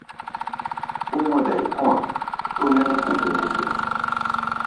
Ó mɔ́-dai kɔ̧́-a̧ tó nɛ́nɛ́ hukɛ-hukɛ.